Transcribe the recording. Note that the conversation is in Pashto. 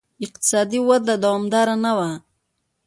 اقتصادي وده یې دوامداره نه وه.